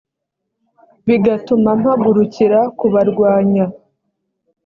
bigatuma mpagurukira kubarwanya